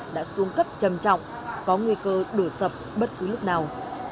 đã xuống cấp chầm chọc có nguy cơ đổ tập bất cứ lúc nào